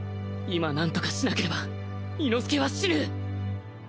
今何とかしなければ伊之助は死ぬ